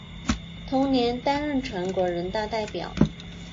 同年担任全国人大代表。